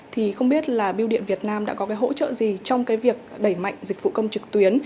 thì không biết là bùi điện việt nam đã có hỗ trợ gì trong việc đẩy mạnh dịch vụ công trực tuyến